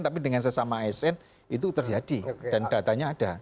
tapi dengan sesama asn itu terjadi dan datanya ada